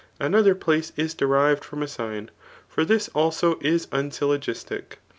Another place is derived from a sign ; for thif also is unsyllogisdc.